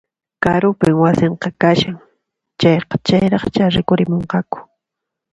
Karupin wasinku kashan, chayqa chayraqchá rikurimunqaku